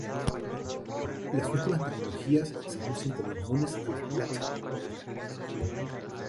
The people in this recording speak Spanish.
Las últimas tecnologías se anuncian como inmunes al "latch-up".